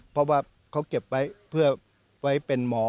เพราะว่าเขาเก็บไว้เพื่อไว้เป็นหมอ